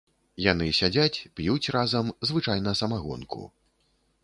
Яны сядзяць, п'юць разам, звычайна самагонку.